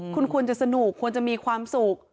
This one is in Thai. คุณควรจะสนุกควรจะมีความสุข